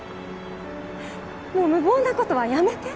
もう無謀な事はやめて。